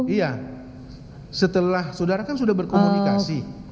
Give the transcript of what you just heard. iya setelah saudara kan sudah berkomunikasi